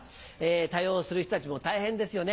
対応する人たちも大変ですよね